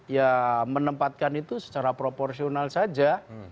ya menempatkan itu secara proporsional saja